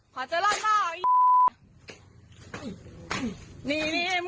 ก็ได้พลังเท่าไหร่ครับ